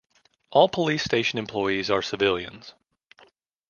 All police station employees are civilians.